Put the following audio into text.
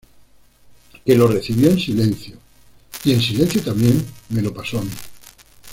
que lo recibió en silencio, y, en silencio también, me lo pasó a mí.